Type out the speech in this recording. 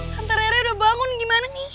tante rere udah bangun gimana nih